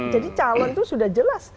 jadi calon itu sudah jelas